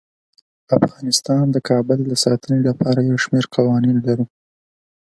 افغانستان د کابل د ساتنې لپاره یو شمیر قوانین لري.